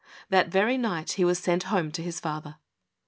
That very night he was sent home to his father.